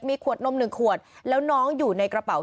มีขวดนม๑ขวดแล้วน้องอยู่ในกระเป๋า